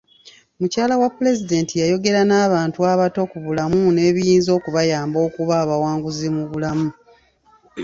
Mukyala wa pulezidenti yayogera n'abantu abato ku bulamu n'ebiyinza okubayamba okuba abawanguzi mu bulamu.